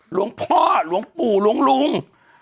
หลวงพ่อหลวงปู่หลวง